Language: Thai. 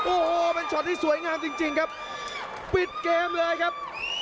โอ้โหเป็นช็อตที่สวยงามจริงจริงครับปิดเกมเลยครับ